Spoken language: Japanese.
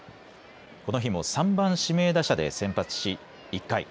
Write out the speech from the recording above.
この日も３番・指名打者で先発し１回。